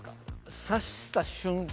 刺した瞬間